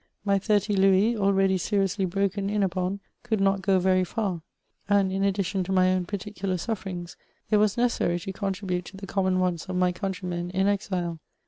My thirty louis, already seriously broken in upon, could not go very far, and in addition to my own particular sufferings, it was necessary to contribute to Uie common wants of my countrymen in exile.